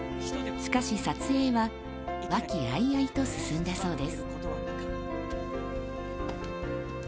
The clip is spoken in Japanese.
しかし撮影は和気あいあいと進んだそうです。